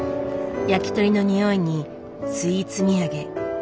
焼き鳥のにおいにスイーツ土産。